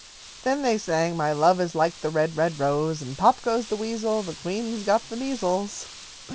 Then they sang, "My love is like the red, red rose" and "Pop goes the weasel, the queen's got the measles."